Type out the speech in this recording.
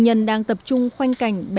thay đổi phân tích